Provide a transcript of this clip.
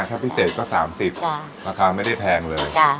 ถ้าพิเศษก็สามสิบจ้าราคาไม่ได้แพงเลยจ้ะ